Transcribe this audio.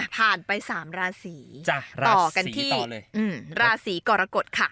ผ่านไป๓ราศีต่อกันที่ราศีกรกฎค่ะ